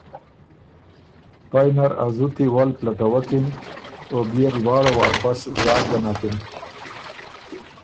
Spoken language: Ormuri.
پئ نر ا زُتی ول پلټوکِن او بيې ر لواړه واپس زاک ګۀ نکِن۔